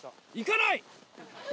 いかない！